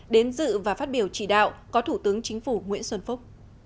đến dự và phát biểu chỉ đạo có thủ tướng chính phủ nguyễn xuân phúc